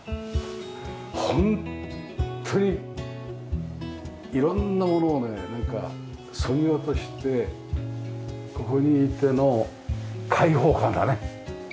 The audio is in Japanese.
ホントに色んなものをねなんかそぎ落としてここにいての開放感だね。